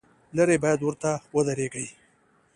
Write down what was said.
لرې باید ورته ودرېږې.